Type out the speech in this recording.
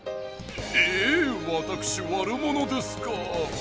ええ⁉わたくしわるものですかあ。